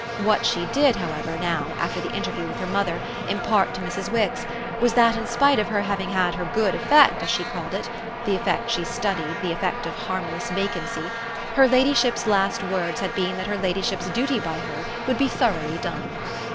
What she did, however, now, after the interview with her mother, impart to Mrs. Wix was that, in spite of her having had her "good" effect, as she called it the effect she studied, the effect of harmless vacancy her ladyship's last words had been that her ladyship's duty by her would be thoroughly done.